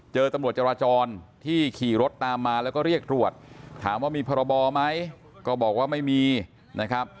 เจอตำรวจจราจรที่ขี่รถตามมาแล้วก็เรียกตรวจถามว่ามีพรบไหมก็บอกว่าไม่มีนะครับ